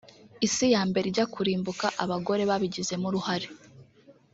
…] Isi ya mbere ijya kurimbuka abagore babigizemo uruhare